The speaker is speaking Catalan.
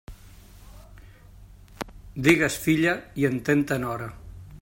Digues filla i entén-te nora.